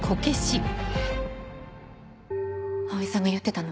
葵さんが言ってたの。